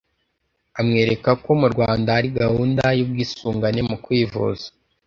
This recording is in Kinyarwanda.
amwerekako mu rwanda hari gahunda y’ubwisungane mu kwivuza.